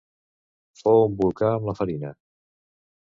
Feu un volcà amb la farina.